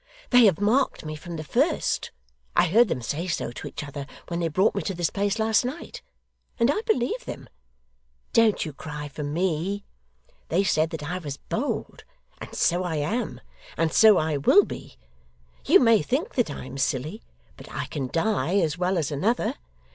'They have marked me from the first. I heard them say so to each other when they brought me to this place last night; and I believe them. Don't you cry for me. They said that I was bold, and so I am, and so I will be. You may think that I am silly, but I can die as well as another.